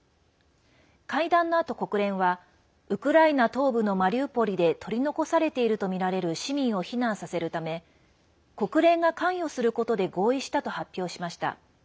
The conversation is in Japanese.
会談のあと、国連はウクライナ東部のマリウポリで取り残されているとみられる市民を避難させるため国連が関与することで合意したと発表しました。